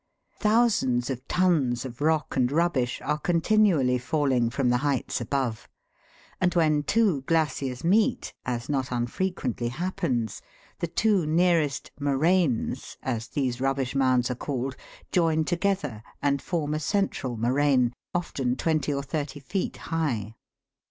Thousands of tons of rock and rubbish are continually falling from the heights above ; and when two glaciers meet, as not unfrequently happens, the two nearest "moraines," as these rubbish mounds are called, join together and form a central moraine, often twenty or thirty feet high.